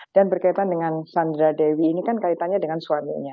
berkaitan dengan sandra dewi ini kan kaitannya dengan suaminya